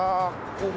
ここ？